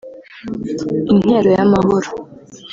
Intero y’amahoro